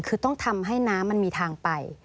คือต้องทำให้น้ำมันมีทางไป